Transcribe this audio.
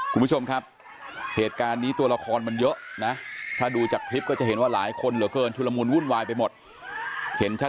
คุณผู้ชมครับเหตุการณ์นี้ตัวละครมันเยอะนะ